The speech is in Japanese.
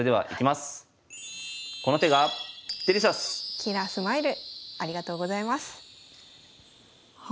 キラースマイルありがとうございます。